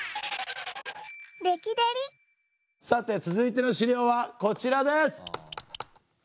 さて続いての資料はこちらです！